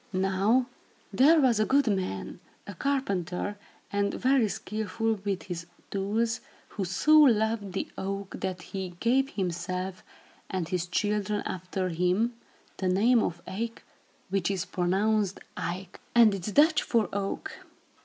Now there was a good man, a carpenter and very skilful with his tools, who so loved the oak that he gave himself, and his children after him, the name of Eyck, which is pronounced Ike, and is Dutch for oak.